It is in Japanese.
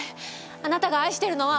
あなたが愛してるのは。